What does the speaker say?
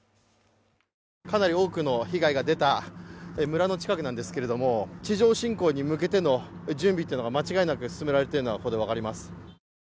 かなり多くの被害が出た村の近くなんですけど地上侵攻に向けての準備というのが間違いなく進められているのがここで分かります。